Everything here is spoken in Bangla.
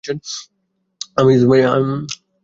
আমি এই স্যাঙ্কটামেই এটা রেখেছি।